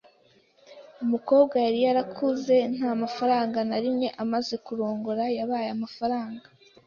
Umukobwa yari yarakuze nta faranga na rimwe amaze kurongora yabaye amafaranga.